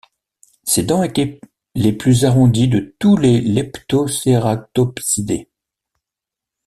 Ses dents étaient les plus arrondies de tous les leptoceratopsidés.